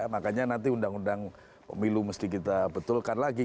makanya nanti undang undang pemilu mesti kita betulkan lagi